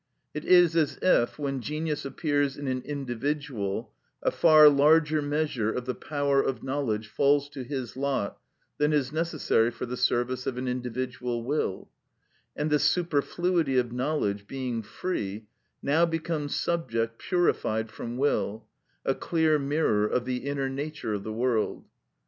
It is as if, when genius appears in an individual, a far larger measure of the power of knowledge falls to his lot than is necessary for the service of an individual will; and this superfluity of knowledge, being free, now becomes subject purified from will, a clear mirror of the inner nature of the world.